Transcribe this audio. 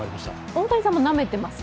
大谷さんもなめてますよね？